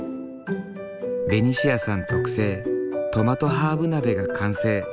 ベニシアさん特製「トマトハーブ鍋」が完成。